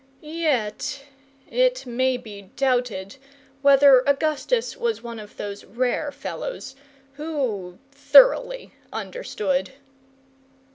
Yet it may be doubted whether Augustus was one of those rare fellows who thoroughly understood.